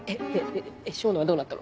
で笙野はどうなったの？